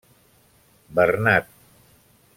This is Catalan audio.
Bernat.